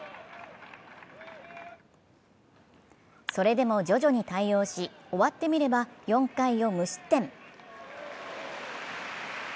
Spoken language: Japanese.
それでも徐々に対応し終わってみれば４回を無失点。